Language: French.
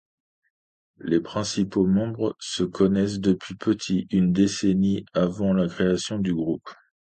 Les pricnipaux membres se connaissent depuis petits, une décennie avant la création du groupe.